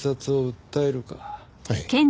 はい。